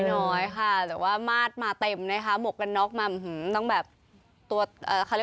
น้อยค่ะเต็มนะคะมกกันกลับมาตัวเอ่อ